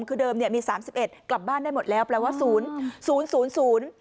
คือเดิมเนี่ยมีสามสิบเอ็ดกลับบ้านได้หมดแล้วแปลว่าศูนย์ศูนย์ศูนย์ศูนย์